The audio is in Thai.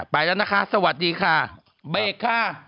ไปแล้วนะคะสวัสดีค่ะเบรกค่ะ